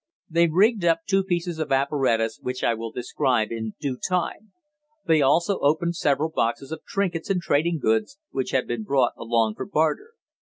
They rigged up two pieces of apparatus which I will describe in due time. They also opened several boxes of trinkets and trading goods, which had been brought along for barter.